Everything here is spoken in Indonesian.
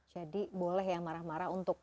jadi boleh ya marah marah untuk